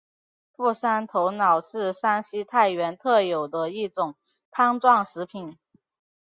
傅山头脑是山西太原特有的一种汤状食品。